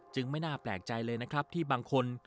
ไม่น่าแปลกใจเลยนะครับที่บางคน